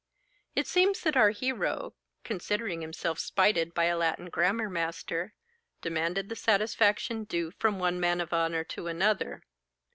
It seems that our hero, considering himself spited by a Latin grammar master, demanded the satisfaction due from one man of honour to another.